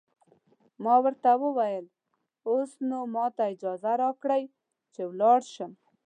ما ورته وویل: اوس نو ماته اجازه راکړئ چې ولاړ شم.